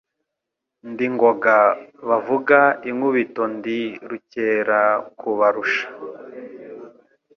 Ndi Ngoga bavuga inkubitoNdi Rukerakubarusha